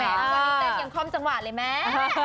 แหมวันนี้เต็มอย่างคอมสังหวะเลยแม่